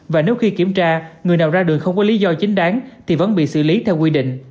và nếu khi kiểm tra người nào ra đường không có lý do chính đáng thì vẫn bị xử lý theo quy định